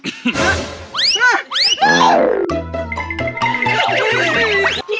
ขี้เจ็บเสือมึง